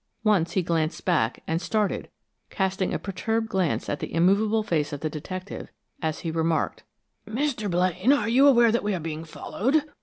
Once he glanced back, and started, casting a perturbed glance at the immovable face of the detective, as he remarked: "Mr. Blaine, are you aware that we are being followed?"